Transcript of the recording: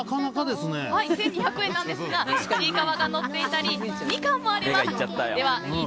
１２００円なんですがちいかわがのっていたりミカンもあります。